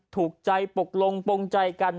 ถูกใจปกลงปงใจกัน